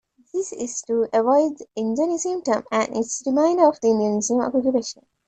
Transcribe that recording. This is to avoid the Indonesian term and its reminder of the Indonesian occupation.